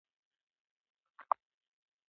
د څرمن جوړونې کارخانې پانګوال زیاته ګټه کوي